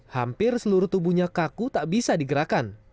hampir seluruh tubuhnya kaku tak bisa digerakkan